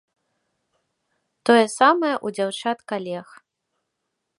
Тое самае ў дзяўчат-калег.